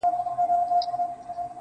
اې د قوتي زلفو مېرمني در نه ځمه سهار